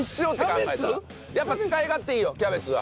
やっぱ使い勝手いいよキャベツは。